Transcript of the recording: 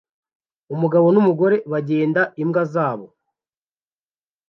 Umugabo numugore bagenda imbwa zabo